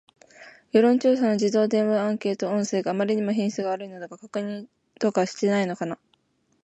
世論調査の自動電話アンケート音声があまりにも品質悪いのだが、確認とかしていないのか